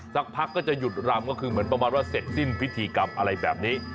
สักพักก็จะหยุดรำก็คือเหมือนประมาณว่าเสร็จสิ้นพิธีกรรมอะไรแบบนี้